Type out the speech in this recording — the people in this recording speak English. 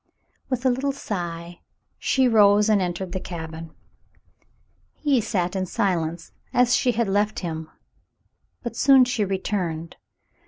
'^" les. With a little sigh, she rose and entered the cabin. He sat in silence as she had left him, but soon she returned.